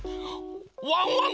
ワンワン